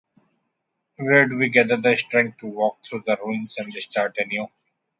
Where do we gather the strength to walk through the ruins and start anew?